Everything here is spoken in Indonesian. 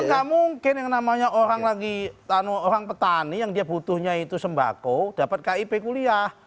nggak mungkin yang namanya orang lagi orang petani yang dia butuhnya itu sembako dapat kip kuliah